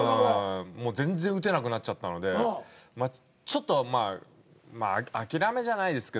全然打てなくなっちゃったのでまあちょっと諦めじゃないですけど